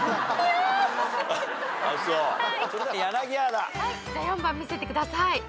じゃあ４番見せてください。